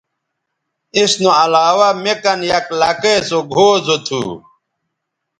اس نو علاوہ می کن یک لکئے سوگھؤ زو تھو